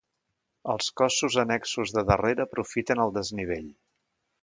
Els cossos annexos de darrere aprofiten el desnivell.